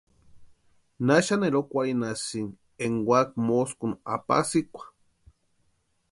¿Naxani erhokwarhinhasïni énka úaka moskuni apasikwa?